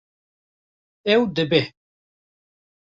Ew dibe